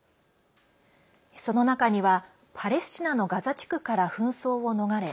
その中にはパレスチナのガザ地区から紛争を逃れ